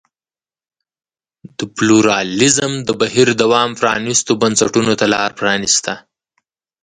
د پلورالېزم د بهیر دوام پرانیستو بنسټونو ته لار پرانېسته.